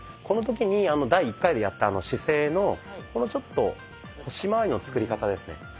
この時に第１回でやった姿勢のこのちょっと腰まわりの作り方ですね。